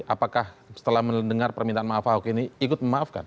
apakah setelah mendengar permintaan maaf ahok ini ikut memaafkan